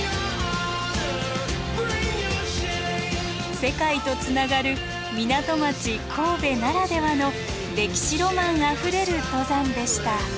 世界とつながる港町神戸ならではの歴史ロマンあふれる登山でした。